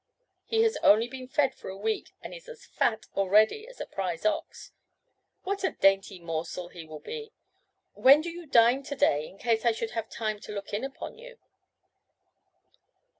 He has only been fed for a week, and is as fat already as a prize ox. What a dainty morsel he will be! When do you dine to day, in case I should have time to look in upon you?"